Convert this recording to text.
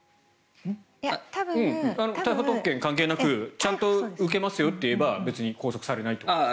不逮捕特権関係なくちゃんと受けますよといえば拘束されないという。